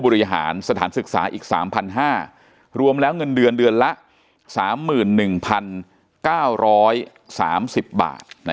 บริหารสถานศึกษาอีก๓๕๐๐รวมแล้วเงินเดือนเดือนละ๓๑๙๓๐บาท